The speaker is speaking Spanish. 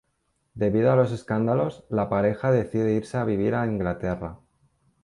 Debido a los escándalos, la pareja decide irse a vivir a Inglaterra.